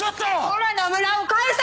おらの村を返せ！